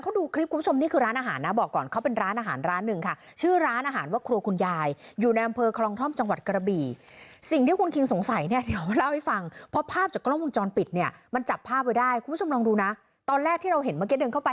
คุณผู้ชมลองดูนะตอนแรกที่เราเห็นเเมื่อแก๊ยเดินเข้าไป